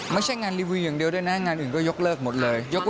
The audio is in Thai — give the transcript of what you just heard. ไม่ใช่งานรีวิวอย่างเดียวด้วยนะงานอื่นก็ยกเลิกหมดเลย